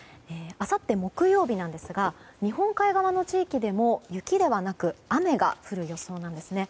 あさって木曜日ですが日本海側の地域でも、雪ではなく雨が降る予想なんですね。